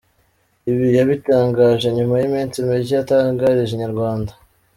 Ibi yabitangaje nyuma y'iminsi micye atangarije Inyarwanda.